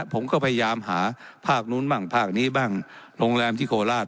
ผมก็พยายามหาภาคนู้นบ้างภาคนี้บ้างโรงแรมที่โคราช